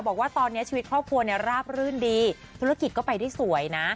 บอกว่าตอนนี้ชีวิตครอบครัวเนี่ยราบรื่นดีธุรกิจก็ไปได้สวยนะ